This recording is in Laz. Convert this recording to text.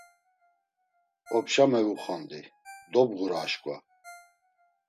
Opşa mevuxondi, dobğura aşǩva.